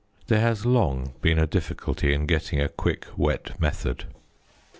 There has long been a difficulty in getting a quick wet method.